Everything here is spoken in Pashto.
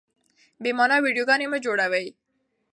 بې مانا ويډيوګانې مه جوړوئ.